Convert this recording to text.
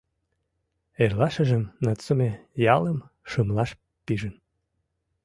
Эрлашыжым Нацуме ялым «шымлаш» пижын.